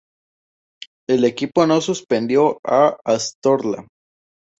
El equipo no suspendió a Astarloa.